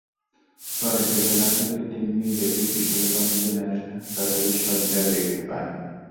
পরে চেতনা ফিরলে তিনি নিজেকে কিশোরগঞ্জ জেনারেল হাসপাতালের শয্যায় দেখতে পান।